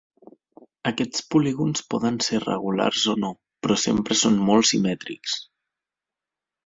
Aquests polígons poden ser regulars o no, però sempre són molt simètrics.